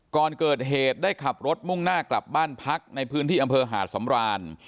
ก่อนเกิดเหตุได้ขับรถมุ่งหน้ากลับบ้านพักในพื้นที่อำเภอหาดสำราน